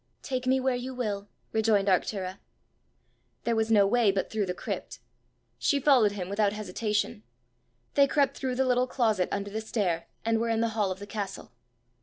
"Take me where you will," rejoined Arctura. There was no way but through the crypt: she followed him without hesitation. They crept through the little closet under the stair, and were in the hall of the castle.